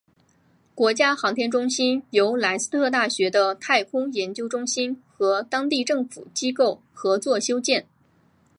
国家航天中心由莱斯特大学的太空研究中心和当地政府机构合作修建。